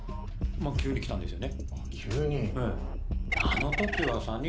まぁ急に来たんですよね